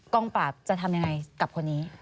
กองปราบจะทำอย่างไรกับคนนี้